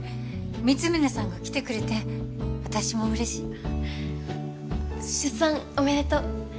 光峯さんが来てくれて私も嬉しい出産おめでとう